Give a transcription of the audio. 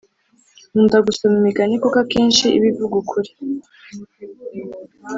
Nkunda gusoma imigani kuko akenshi iba ivuga ukuri